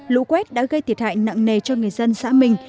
lũ quét đã gây thiệt hại nặng nề cho người dân xã mình